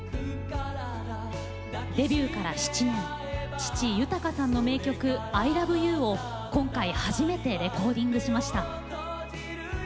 デビューから７年父豊さんの名曲「ＩＬＯＶＥＹＯＵ」を今回初めてレコーディングしました。